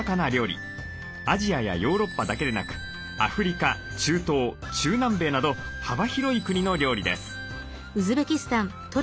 アジアやヨーロッパだけでなくアフリカ中東中南米など幅広い国の料理です。